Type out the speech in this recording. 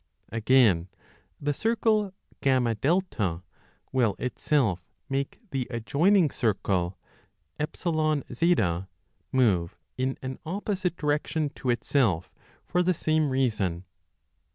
Again, the circle FA will itself make the adjoining circle EZ move in an opposite direction to itself for the same reason.